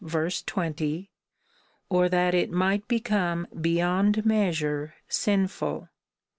20,) or that it might become beyond measure sinful.